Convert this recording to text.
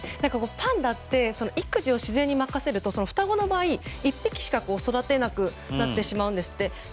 パンダって育児を自然に任せると双子の場合１匹しか育てなくなってしまうんですって。